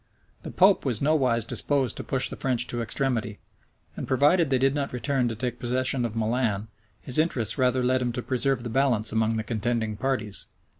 The pope was nowise disposed to push the French to extremity; and provided they did not return to take possession of Milan, his interests rather led him to preserve the balance among the contending parties.